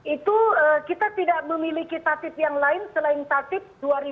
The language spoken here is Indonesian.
itu kita tidak memiliki taktib yang lain selain taktib dua ribu empat belas